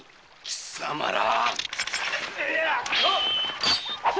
貴様ら！